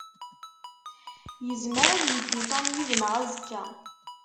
Yezmer ad yeddu Tom yid-neɣ azekka.